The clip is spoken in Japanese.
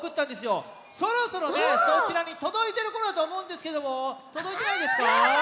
そろそろそちらにとどいてるころやとおもうんですけどもとどいてないですか？